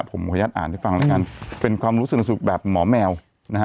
ผมขยัดอ่านให้ฟังแล้วกันเป็นความรู้สึกรู้สึกแบบหมอแมวนะฮะ